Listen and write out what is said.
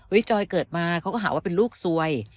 จอยเกิดมาเขาก็หาว่าเป็นลูกซวย